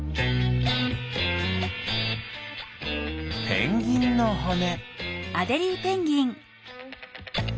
ペンギンのほね。